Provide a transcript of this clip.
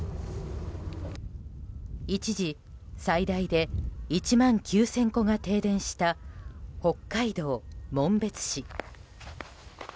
一時最大で１万９０００戸が停電した北海道紋別市。